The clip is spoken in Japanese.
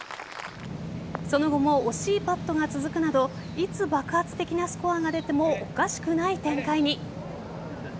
その後も惜しいパットが続くなどいつ爆発的なスコアが出てもおかしくない展開に。